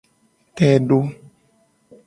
Te do.